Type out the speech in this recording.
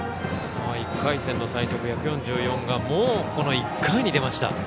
１回戦の最速１４４がもうこの１回に出ました。